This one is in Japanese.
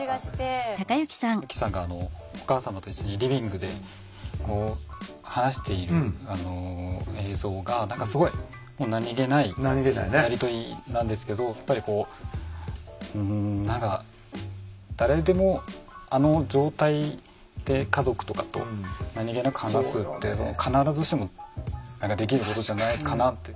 由希さんがお母様と一緒にリビングで話している映像が何かすごいもう何気ないやり取りなんですけどやっぱりこううん何か誰でもあの状態で家族とかと何気なく話すって必ずしもできることじゃないかなって。